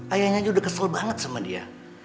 ayahnya juga udah kesel banget sama dia